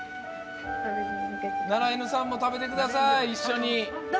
ナラエヌさんも食べてください、一緒に。